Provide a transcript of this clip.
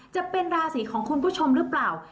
จะเป็นราศีของคุณผู้ชมหรือเปล่า